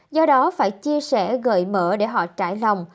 do đó phải chia sẻ gợi mở để họ trải lòng